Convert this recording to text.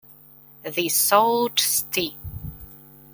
The Sault Ste.